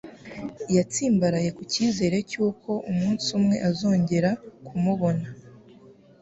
Yatsimbaraye ku cyizere cy'uko umunsi umwe azongera kumubona